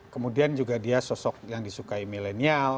kemudian juga dia sosok yang disukai milenial